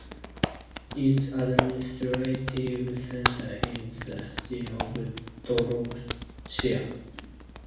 Its administrative center is the city of Drochia.